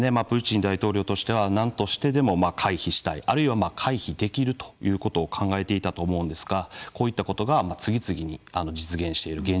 プーチン大統領としてはなんとしてでも回避したいあるいは回避できるということを考えていたと思うんですがこういったことが、次々に実現している。